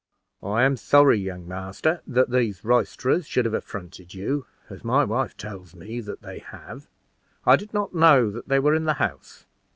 "I am sorry, young master, that these roisterers should have affronted you, as my wife tells me that they have. I did not know that they were in the house.